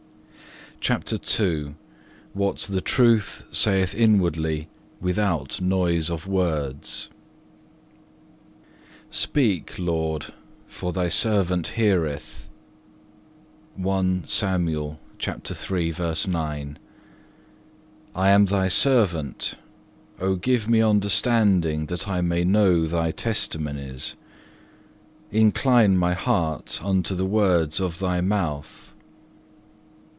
8. CHAPTER II What the truth saith inwardly without noise of words Speak Lord, for thy servant heareth.(1) I am Thy servant; O give me understanding that I may know Thy testimonies. Incline my heart unto the words of Thy mouth.